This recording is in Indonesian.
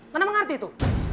ngana mengerti itu